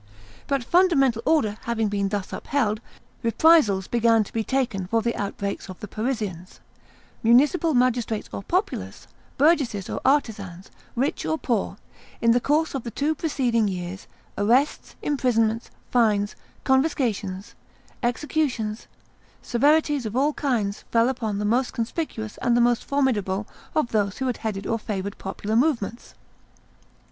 But fundamental order having been thus upheld, reprisals began to be taken for the outbreaks of the Parisians, municipal magistrates or populace, burgesses or artisans, rich or poor, in the course of the two preceding years; arrests, imprisonments, fines, confiscations, executions, severities of all kinds fell upon the most conspicuous and the most formidable of those who had headed or favored popular movements.